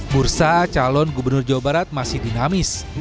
bursa calon gubernur jawa barat masih dinamis